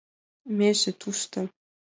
Меже тушто.